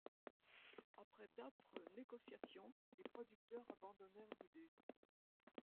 Après d'âpres négociations, les producteurs abandonnèrent l'idée.